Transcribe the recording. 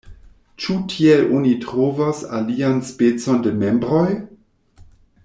Ĉu tiel oni trovos alian specon de membroj?